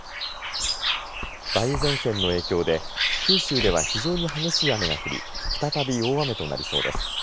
梅雨前線の影響で九州では非常に激しい雨が降り再び大雨となりそうです。